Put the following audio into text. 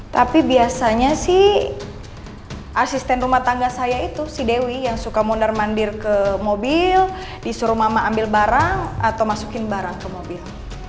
tapi biasanya sih asisten rumah tangga saya itu si dewi yang suka mondar mandir ke mobil disuruh mama ambil barang atau masukin barang ke mobil